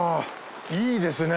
いいですね！